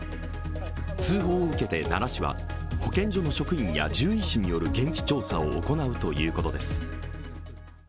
通報を受けて奈良市は保健所の職員や獣医師による現地調査を行うということです。